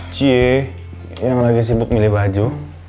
c yang lagi sibuk milih baju